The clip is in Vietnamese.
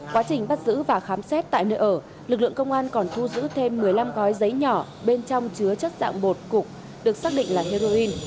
quá trình bắt giữ và khám xét tại nơi ở lực lượng công an còn thu giữ thêm một mươi năm gói giấy nhỏ bên trong chứa chất dạng bột cục được xác định là heroin